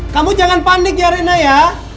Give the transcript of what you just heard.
kamu jangan panik ya rena ya